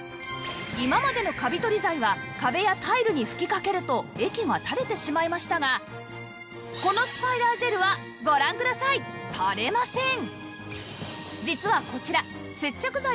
今までのカビ取り剤は壁やタイルに吹きかけると液が垂れてしまいましたがこのスパイダージェルはご覧ください垂れません！